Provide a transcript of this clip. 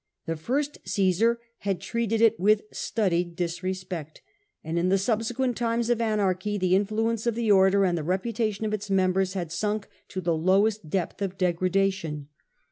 The first Caesar had treated it with studied disrespect, and in the subsequent times of anarchy the influence of the order and the reputation of its members had sunk to the lowest depth of degradation.